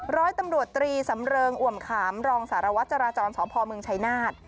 ร้อยตำรวจตรีสำเริงอ่วมขามรองสารวัตรจราจรสพเมืองชัยนาธ